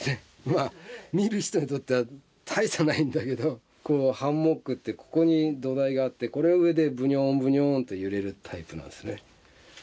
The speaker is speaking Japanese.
まあ見る人にとっては大差ないんだけどハンモックってここに土台があってこれ上でぶにょんぶにょんって揺れるタイプなんですね。